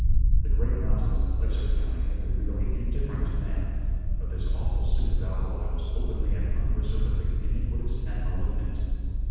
The great mountains of Placer County had been merely indifferent to man; but this awful sink of alkali was openly and unreservedly iniquitous and malignant.